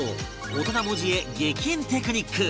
大人文字へ激変テクニック